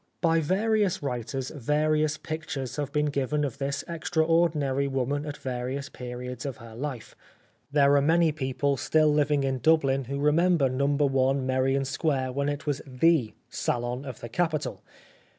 By various writers various pictures have been given of this extraordinary woman at various periods in her life. There are many people still living in Dublin who remember No. i Merrion Square when it was the salon of the capital.